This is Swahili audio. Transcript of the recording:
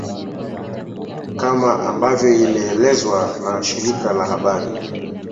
kama ambavyo imeelezwa na shirika la habari